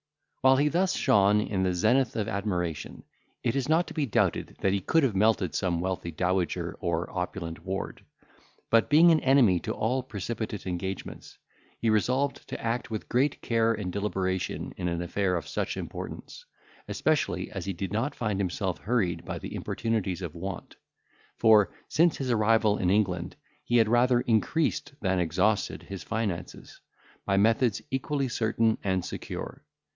While he thus shone in the zenith of admiration, it is not to be doubted, that he could have melted some wealthy dowager or opulent ward; but, being an enemy to all precipitate engagements, he resolved to act with great care and deliberation in an affair of such importance, especially as he did not find himself hurried by the importunities of want; for, since his arrival in England, he had rather increased than exhausted his finances, by methods equally certain and secure.